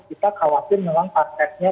kita khawatir memang parteknya